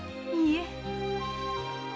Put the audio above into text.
いいえ。